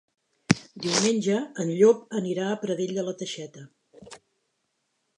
Diumenge en Llop anirà a Pradell de la Teixeta.